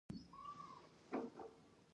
د لیمو دانه د چینجیانو لپاره وکاروئ